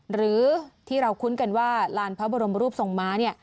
หรือที่เราคุ้นกันว่าลานพระบรมรูปทรงม้า